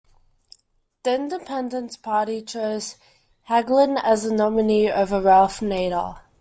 The Independence Party chose Hagelin as the nominee over Ralph Nader.